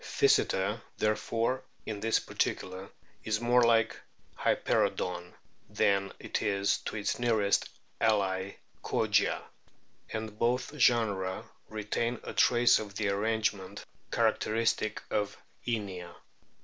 Pkysetcr, therefore, in this particular, is more like Hypcroodon than it is to its nearest ally Kogia ; and both genera retain a trace of the arrange ment characteristic of Inia.